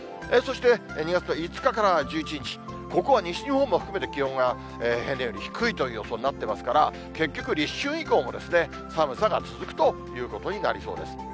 そして２月の５日から１１日、ここは西日本も含めて気温が平年より低いという予想になってますから、結局立春以降も寒さが続くということになりそうです。